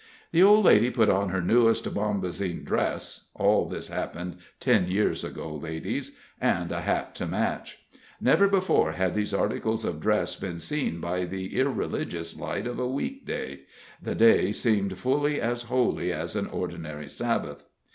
The old lady put on her newest bombazine dress all this happened ten years ago, ladies and a hat to match. Never before had these articles of dress been seen by the irreligious light of a weekday; the day seemed fully as holy as an ordinary Sabbath.